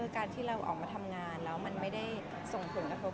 การที่เราออกมาทำงานแล้วมันไม่ได้ส่งผลกระทบ